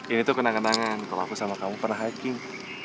ini tuh kenang kenangan kalau aku sama kamu pernah hacking